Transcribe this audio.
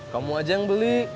kamu aja yang beli